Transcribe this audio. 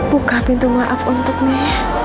buka pintu maaf untuknya ya